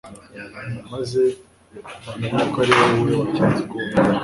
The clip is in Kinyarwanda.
maze bamenye ko ari wowe wakinze ukuboko